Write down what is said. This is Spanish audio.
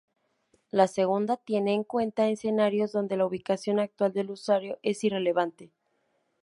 La segunda tiene en cuenta escenarios donde la ubicación actual del usuario es irrelevante.